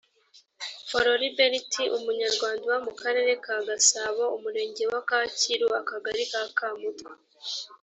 floribert umunyarwanda uba mu karere ka gasabo umurenge wa kacyiru akagari ka kamutwa